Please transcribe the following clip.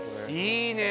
いいね！